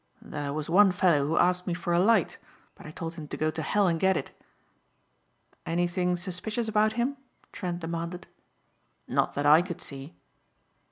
"There was one fellow who asked me for a light, but I told him to go to hell and get it." "Anything suspicious about him?" Trent demanded. "Not that I could see."